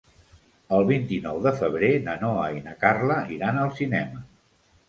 El vint-i-nou de febrer na Noa i na Carla iran al cinema.